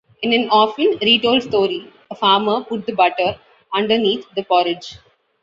In an often retold story, a farmer put the butter "underneath" the porridge.